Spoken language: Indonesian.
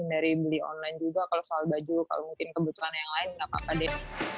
dari beli online juga kalau soal baju kalau mungkin kebutuhan yang lain nggak apa apa deh